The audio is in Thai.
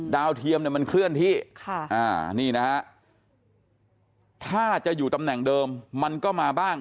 เทียมเนี่ยมันเคลื่อนที่นี่นะฮะถ้าจะอยู่ตำแหน่งเดิมมันก็มาบ้าง